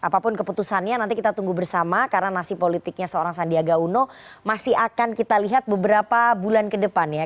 apapun keputusannya nanti kita tunggu bersama karena nasib politiknya seorang sandiaga uno masih akan kita lihat beberapa bulan ke depan ya